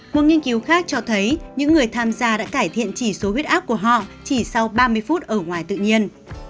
một nghiên cứu khác cho thấy những người tham gia đã cải thiện chỉ số huyết áp của họ chỉ sau ba mươi phút ở ngoài tự nhiên